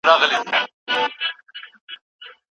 هر څوک بايد خپل کار په صداقت وکړي.